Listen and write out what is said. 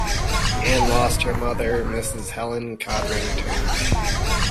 Ann lost her mother, Mrs. Helen Codrington.